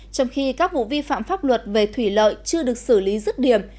trong khi các vụ vi phạm pháp luật về thủy lợi chưa được xử lý rứt điểm